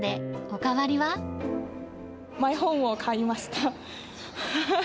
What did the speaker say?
マイホームを買いました。